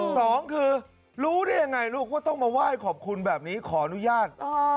สองคือรู้ได้ยังไงลูกว่าต้องมาไหว้ขอบคุณแบบนี้ขออนุญาต